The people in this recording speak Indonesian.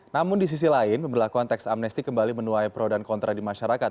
namun di sisi lain pemberlakuan teks amnesti kembali menuai pro dan kontra di masyarakat